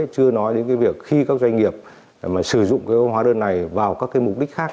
chưa nói đến việc khi các doanh nghiệp sử dụng hóa đơn này vào các mục đích khác